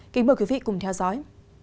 kính mời quý vị cùng theo dõi